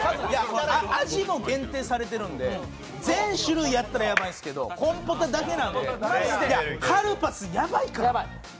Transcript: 味も限定されてるんで全種類やったらやばいんですけどコンポタだけなんで、カルパスやばいから。